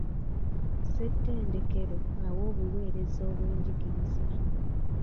Ssetendekero awa obuweereza bw'ebyenjigiriza.